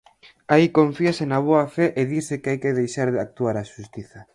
Aí confíase na boa fe e dise que hai que deixar actuar a xustiza.